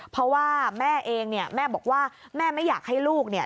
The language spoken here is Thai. เพราะว่าแม่เองเนี่ยแม่บอกว่าแม่ไม่อยากให้ลูกเนี่ย